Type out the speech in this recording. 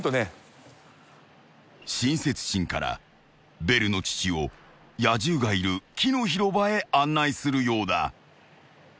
［親切心からベルの父を野獣がいる木の広場へ案内するようだ］